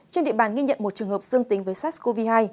trên địa bàn nghi nhận một trường hợp xương tính với sars cov hai